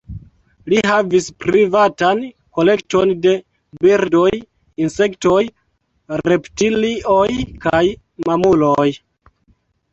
Li havis privatan kolekton de birdoj, insektoj, reptilioj kaj mamuloj.